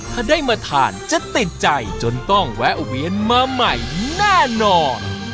ถ้าได้มาทานจะติดใจจนต้องแวะเวียนมาใหม่แน่นอน